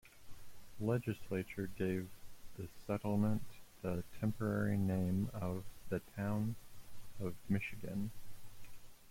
The legislature gave the settlement the temporary name of the "Town of Michigan".